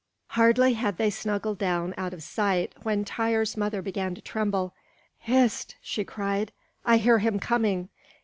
Hardly had they snuggled down out of sight when Tŷr's mother began to tremble. "Hist!" she cried. "I hear him coming.